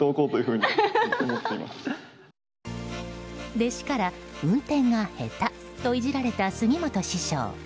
弟子から運転が下手といじられた杉本師匠。